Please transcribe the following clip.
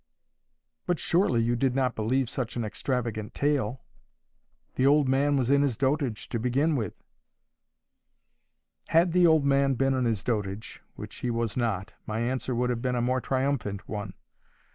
"But surely you did not believe such an extravagant tale? The old man was in his dotage, to begin with." Had the old man been in his dotage, which he was not, my answer would have been a more triumphant one.